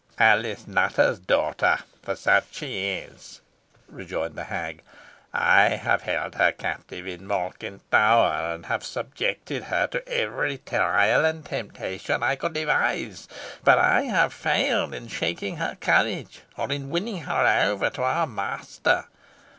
"Alice Nutter's daughter for such she is," rejoined the hag. "I have held her captive in Malkin Tower, and have subjected her to every trial and temptation I could devise, but I have failed in shaking her courage, or in winning her over to our master.